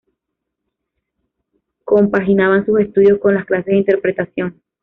Compaginaba sus estudios con las clases de interpretación.